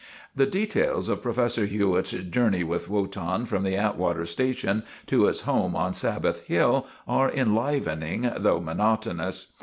The details of Professor Hewitt's journey with Wotan from the Atwater station to his home on Sabbath Hill are enlivening though monotonous.